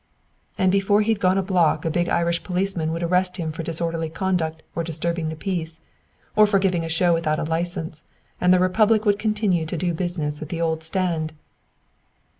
"And before he'd gone a block a big Irish policeman would arrest him for disorderly conduct or disturbing the peace, or for giving a show without a license, and the republic would continue to do business at the old stand."